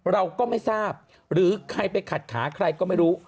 เราก็ไม่ทราบหรือใครไปขัดขาใครก็ไม่รู้